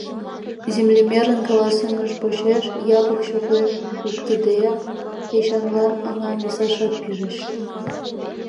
Землемерын каласымыж почеш, Япык чоклен шуктыдеак, Эчанлан аҥам висашат пижыч.